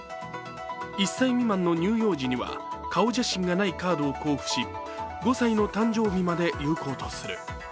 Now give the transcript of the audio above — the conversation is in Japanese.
１歳未満の乳幼児には顔写真がないカードを交付し５歳の誕生日まで有効とする。